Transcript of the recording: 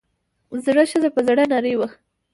زړه ښځه پۀ زړۀ نرۍ وه ـ